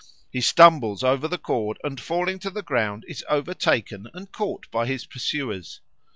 He stumbles over the cord and, falling to the ground, is overtaken and caught by his pursuers.